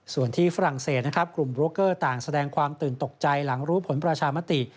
ส่วนที่ฝรั่งเศสนะครับกลุ่มโรคเกอร์ต่างแสดงความตื่นตกใจหลังรู้ผลประชามติ